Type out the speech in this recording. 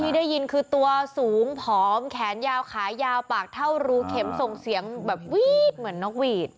ได้ยินคือตัวสูงผอมแขนยาวขายาวปากเท่ารูเข็มส่งเสียงแบบวีดเหมือนนกหวีด